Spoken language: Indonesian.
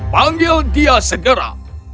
panggil dia segera